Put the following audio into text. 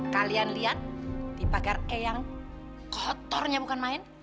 kalian lihat di pagar eyang kotornya bukan main